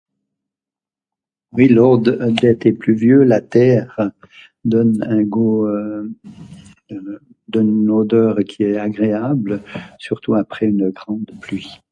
Oui lors, d'un temps pluvieux, la terre donne un gout, donne une odeur qui est agréable, surtout après une grande pluie.